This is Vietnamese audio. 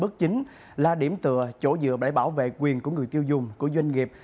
bất chính là điểm tựa chỗ dựa để bảo vệ quyền của người tiêu dùng của doanh nghiệp